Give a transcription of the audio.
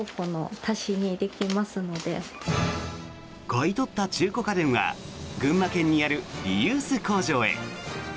買い取った中古家電は群馬県にあるリユース工場へ。